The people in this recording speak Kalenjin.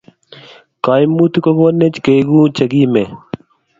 kaimutik ko konech kengu che kimen